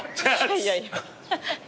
いやいや。